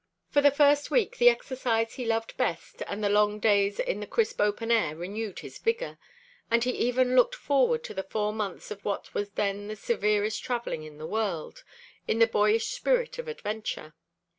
For the first week the exercise he loved best and the long days in the crisp open air renewed his vigor, and he even looked forward to the four months of what was then the severest traveling in the world, in a boyish spirit of adventure.